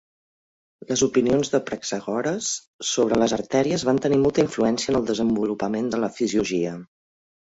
Les opinions de Praxagoras sobre les artèries van tenir molta influència en el desenvolupament de la fisiologia.